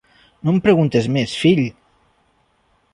No em preguntes més, fill!